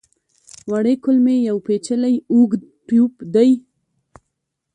وړې کولمې یو پېچلی اوږد ټیوب دی.